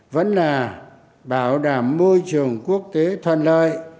vẫn là bảo đảm môi trường quốc tế thuận lợi